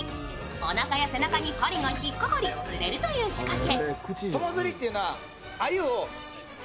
おなかや背中に針が引っかかり、釣れるという仕掛け。